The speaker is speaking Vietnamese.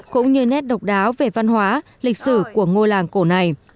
cũng như nét độc đáo về văn hóa lịch sử của ngôi làng cổ này